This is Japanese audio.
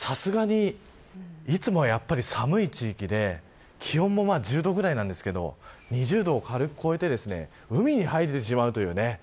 いつもは寒い地域で気温も１０度ぐらいですが２０度を軽く超えて海に入れてしまうという。